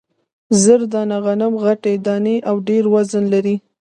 زر دانه غنم غټې دانې او ډېر وزن لري.